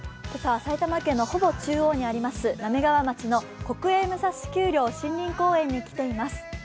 今朝は埼玉県のほぼ中央にあります、滑川町の国営武蔵丘陵森林公園に来ています。